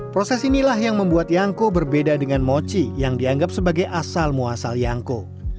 proses inilah yang membuat yangko berbeda dengan mochi yang dianggap sebagai asal muasal yangko